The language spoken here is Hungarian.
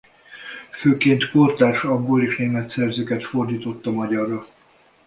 Főként kortárs angol és német szerzőket fordította magyarra.